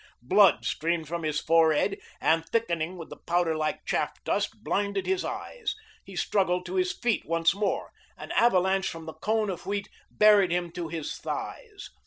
Blood streamed from his forehead and, thickening with the powder like chaff dust, blinded his eyes. He struggled to his feet once more. An avalanche from the cone of wheat buried him to his thighs.